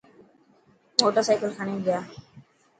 موٽر سائيڪل کڻي گيا.